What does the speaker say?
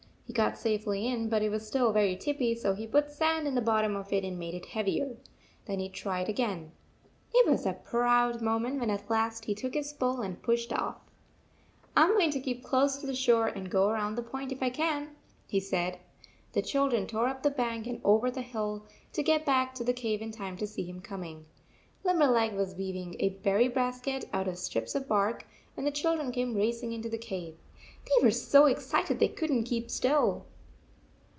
He got safely in, but it was still very tippy, so he put sand in the bottom of it and made it heavier. Then he tried again. It was a proud moment when at last he took his pole and pushed off. " I m going to keep close to shore and go around the point if I can," he said. The children tore up the bank and over the hill to get back to the cave in time to see him coming. Limberleg was weaving 144 a berry basket out of strips of bark, when the children came racing into the cave. They were so excited they could n t keep still.